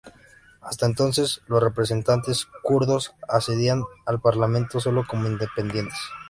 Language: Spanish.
Hasta entonces los representantes kurdos accedían al parlamento solo como independientes.